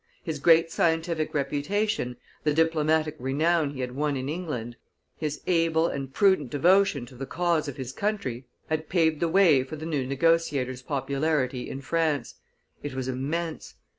His great scientific reputation, the diplomatic renown he had won in England, his able and prudent devotion to the cause of his country, had paved the way for the new negotiator's popularity in France: it was immense.